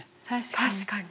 確かに。